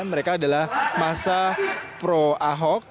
mereka adalah masa pro ahok